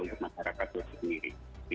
untuk masyarakat turki sendiri